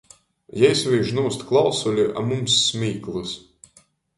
Jei svīž nūst klausuli, a mums smīklys!